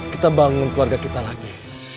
kita bangun keluarga kita lagi